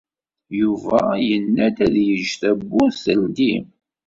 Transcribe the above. Yuba yenna-d ad yeǧǧ tawwurt teldi.